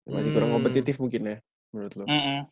masih kurang kompetitif mungkin ya menurut lo